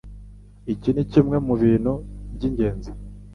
Iki ni kimwe mu bintu by'ingenzi